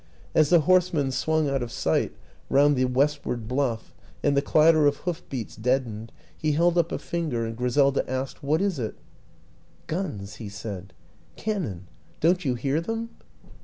As the horsemen swung out of sight round the westward bluff and the clatter of hoof beats deadened, he held up a finger, and Griselda asked, "What is it?" " Guns," he said. " Cannon don't you hear them?"